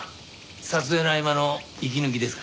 撮影の合間の息抜きですか？